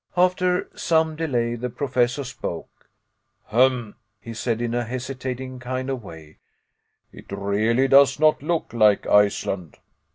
After some delay, the Professor spoke. "Hem!" he said, in a hesitating kind of way, "it really does not look like Iceland."